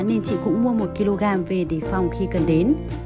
nên chị cũng mua một kg về để phòng khi cần đến